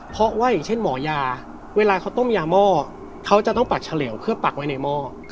เพราะว่าอย่างเช่นหมอยาเวลาเขาต้มยาหม้อเขาจะต้องปักเฉลวเพื่อปักไว้ในหม้อ